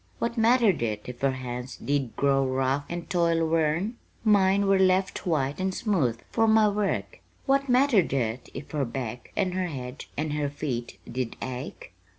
"What mattered it if her hands did grow rough and toil worn? Mine were left white and smooth for my work. What mattered it if her back and her head and her feet did ache?